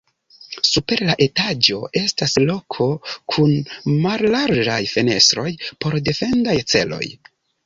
Super la etaĝo estas loko kun mallarĝaj fenestroj por defendaj celoj.